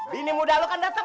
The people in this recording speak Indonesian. bini muda lo kan dateng